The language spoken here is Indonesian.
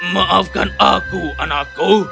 maafkan aku anakku